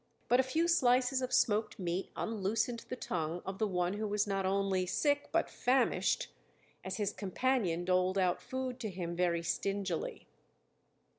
But a few slices of smoked meat unloosened the tongue of the one who was not only sick, but famished, as his companion doled out food to him very stingily.